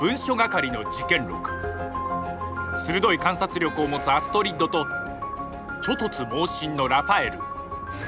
鋭い観察力を持つアストリッドとちょ突猛進のラファエル。